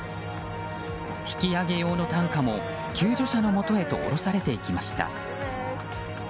引き上げ用の担架も救助者のもとへと下ろされていきました。